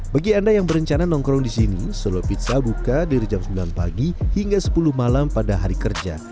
bagi anda yang berencana nongkrong di sini solo pizza buka dari jam sembilan pagi hingga sepuluh malam pada hari kerja